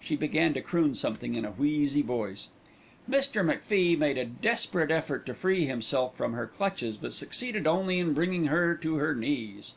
She began to croon something in a wheezy voice. Mr. MacFie made a desperate effort to free himself from her clutches, but succeeded only in bringing her to her knees.